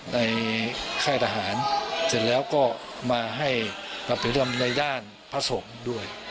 ในค่ายทหารเสร็จแล้วก็มาให้ปรับปินพฤติกรรมในด้านพระสงค์ด้วย